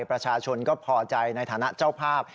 ประชาชนก็พอใจในฐานะเจ้าภาพ